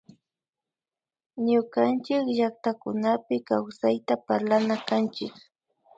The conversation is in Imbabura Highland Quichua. Ñukanchick llactakunapi kawpayta parlana kanchik